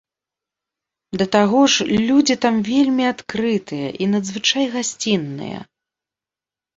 Да таго ж, людзі там вельмі адкрытыя і надзвычай гасцінныя.